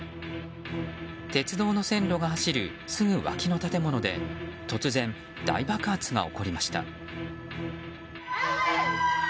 鉄道の線路が走るすぐ脇の建物で突然、大爆発が起こりました。